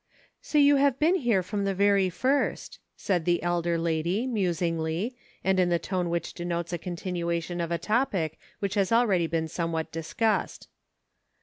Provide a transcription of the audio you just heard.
" So you have been here from the very first," said the elder lady, musingly, and in the tone which denotes a continuation of a topic which has already been somewhat discussed.